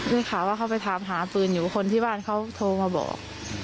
ได้ข่าวว่าเขาไปถามหาปืนอยู่คนที่บ้านเขาโทรมาบอก